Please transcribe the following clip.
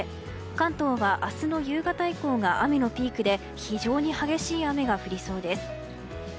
関東は明日の夕方以降が雨のピークで非常に激しい雨が降りそうです。